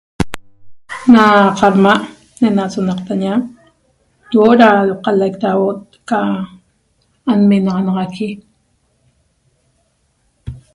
Na qadma' ne'ena sonaqtaña huo'o da i'qalaic huo'ot aca anmenaxanaqui